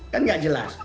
kan gak jelas